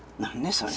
それ。